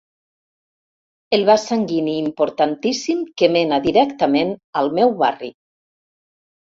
El vas sanguini importantíssim que mena directament al meu barri.